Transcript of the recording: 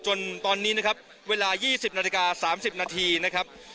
จนตอนนี้นะครับเวลา๒๐นาฬิกา๓๐นาทีนะครับ